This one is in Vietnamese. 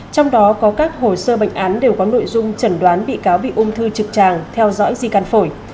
trong đó có các hồ sơ bệnh án đều có nội dung chẩn đoán bị cáo bị ung thư trực tràng theo dõi di căn phổi